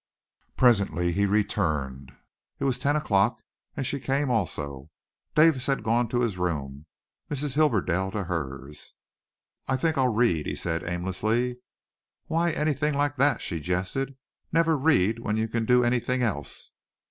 Presently he returned it was ten o'clock and she came also. Davis had gone to his room, Mrs. Hibberdell to hers. "I think I'll read," he said, aimlessly. "Why anything like that?" she jested. "Never read when you can do anything else."